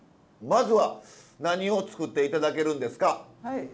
まずは何を作って頂けるんですか？